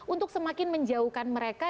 untuk semakin menjauhkan mereka